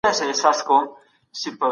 دا پروژه د زده کوونکو په مرسته بشپړه سوه.